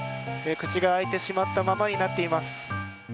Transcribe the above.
口が開いてしまったままになっています。